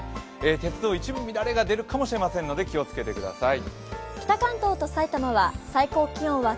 鉄道、一部乱れが出るかもしれませんので、お気をつけください。